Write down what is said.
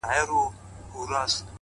داده پښـــــتانه اشـــــــنــــٰــا!!